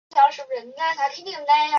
该桥连接了皇后区和曼哈顿两地。